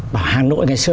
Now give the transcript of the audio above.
bảo hà nội ngày xưa